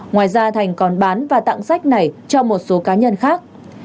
ngoài ra thành còn bán và tặng sách này cho một số cá nhân khác